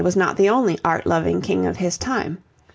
was not the only art loving King of his time.